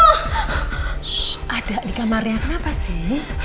ada di kamarnya kenapa sih